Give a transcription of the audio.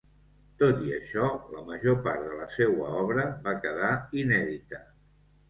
Tot i això, la major part de la seua obra va quedar inèdita.